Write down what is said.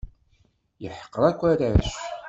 Yeḥqer akk arrac.